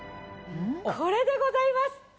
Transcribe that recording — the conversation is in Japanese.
これでございます。